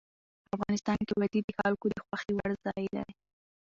افغانستان کې وادي د خلکو د خوښې وړ ځای دی.